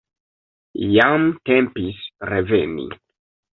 Jam tempis reveni.